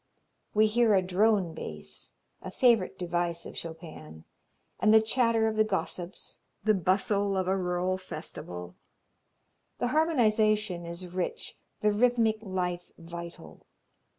We hear a drone bass a favorite device of Chopin and the chatter of the gossips, the bustle of a rural festival. The harmonization is rich, the rhythmic life vital.